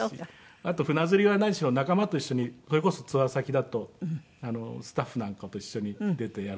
あと船釣りは何しろ仲間と一緒にそれこそツアー先だとスタッフなんかと一緒に出てやるので。